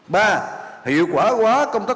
ba hiệu quả hóa công tác